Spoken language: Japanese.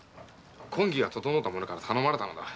婚儀が整うた者から頼まれたのだ。